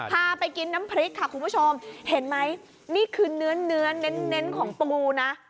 พาไปกินน้ำพริกค่ะคุณผู้ชมเห็นไหมนี่คือเนื้อเนื้อเน้นของปูนะ